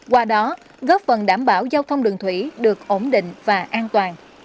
qua đó góp phần đảm bảo giao thông đường thủy được ổn định và an toàn